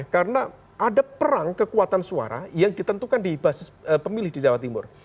karena ada perang kekuatan suara yang ditentukan di basis pemilih di jawa timur